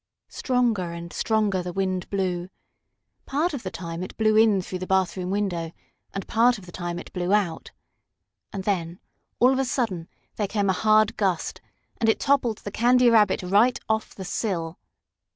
Stronger and stronger the wind blew. Part of the time it blew in through the bathroom window, and part of the time it blew out. And then, all of a sudden, there came a hard gust, and it toppled the Candy Rabbit right off the sill.